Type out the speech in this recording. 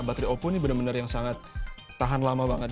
baterai oppo ini benar benar yang sangat tahan lama banget